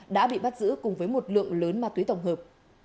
đã bị bắt giữ cùng với một lượng lớn ma túy tổng hợp